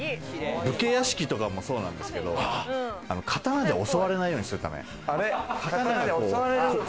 武家屋敷とかもそうなんですけど、刀で襲われないようにするため。